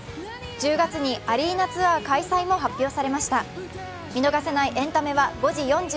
１０月にアリーナツアー開催も発表されました。